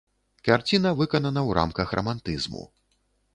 Карціна выканана ў рамках рамантызму.